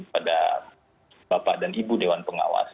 pada bapak dan ibu dewan pengawas